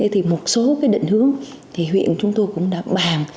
thì một số cái định hướng thì huyện chúng tôi cũng đã bàn